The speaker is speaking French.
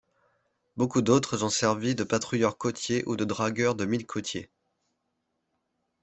Beaucoup d'autres ont servi de patrouilleur côtier ou de dragueur de mines côtiers.